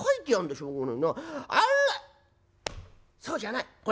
そうじゃない。